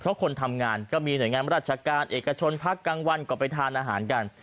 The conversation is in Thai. เพราะคนทำงานก็มีหน่วยงานราชการเอกชนพักกลางวันก็ไปทานอาหารกัน